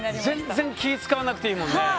全然気遣わなくていいもんね。